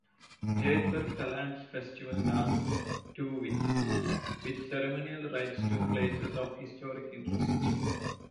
Jedburgh Callants Festival lasts two weeks, with ceremonial rides to places of historic interest.